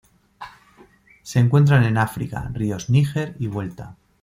Se encuentran en África: ríos Níger y Vuelta.